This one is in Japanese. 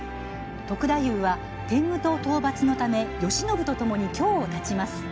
篤太夫は、天狗党討伐のため慶喜とともに京をたちます。